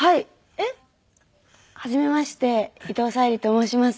えっ？はじめまして伊藤沙莉と申します。